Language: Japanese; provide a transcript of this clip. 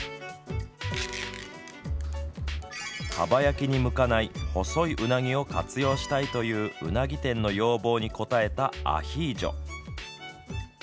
かば焼きに向かない細いうなぎを活用したいといううなぎ店の要望に応えたアヒージョ。